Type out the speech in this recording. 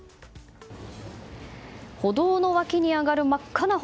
歩道の脇に上がる真っ赤な炎。